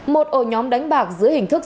một ổ nhóm đánh bạc giữa hình thức